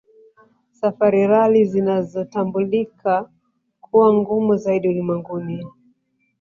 Safari Rally zinazotambulika kuwa ngumu zaidi ulimwenguni